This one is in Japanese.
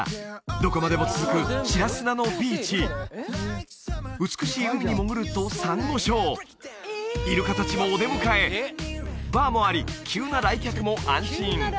どこまでも続く白砂のビーチ美しい海に潜るとサンゴ礁イルカ達もお出迎えバーもあり急な来客も安心